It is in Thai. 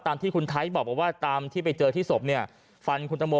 ตามที่คุณไทยบอกว่าตามที่ไปเจอที่ศพเนี่ยฟันคุณตังโม